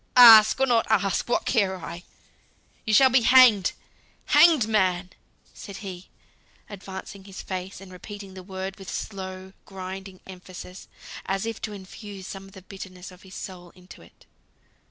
"Ask, or not ask, what care I? You shall be hanged hanged man!" said he, advancing his face, and repeating the word with slow, grinding emphasis, as if to infuse some of the bitterness of his soul into it.